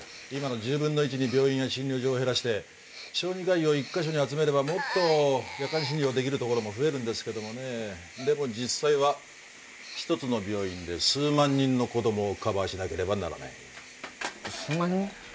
１０分の１に病院や診療所を減らし小児科医を一ヵ所に集めればもっと夜間診療できる所も増えるんですがねでも実際は一つの病院で数万人の子供をカバーしなければならない数万人？